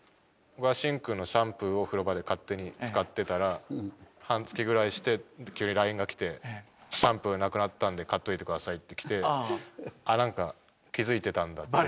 僕がシン君のシャンプーを風呂場で勝手に使ってたら半月ぐらいして急にＬＩＮＥが来て「シャンプーなくなったんで買っといてください」って来てあっ気づいてたんだって。